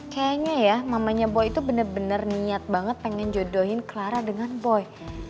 kayaknya ya mamanya boy itu benar benar niat banget pengen jodohin clara dengan boy